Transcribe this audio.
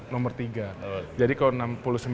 nomor tiga jadi kalau